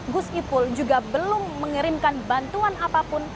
gus ipul juga belum mengirimkan bantuan apapun